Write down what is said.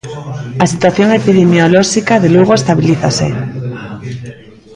A situación epidemiolóxica de Lugo estabilízase.